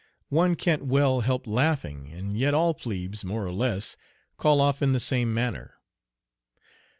One can't well help laughing, and yet all plebes, more or less, call off in the same manner.